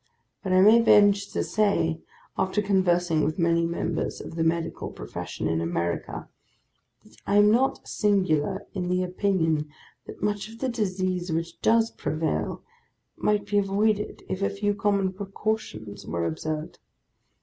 But I may venture to say, after conversing with many members of the medical profession in America, that I am not singular in the opinion that much of the disease which does prevail, might be avoided, if a few common precautions were observed.